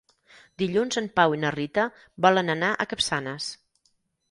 Dilluns en Pau i na Rita volen anar a Capçanes.